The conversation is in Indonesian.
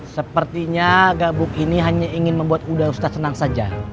sepertinya gabuk ini hanya ingin membuat udah ustadz senang saja